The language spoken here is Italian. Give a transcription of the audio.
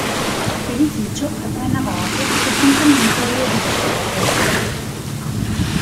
L'edificio, a tre navate, fu prontamente riedificato.